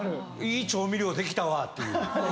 いい調味料できたわっていう。